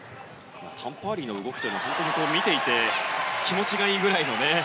タン・パーリーの動きは本当に見ていて気持ちがいいぐらいのね。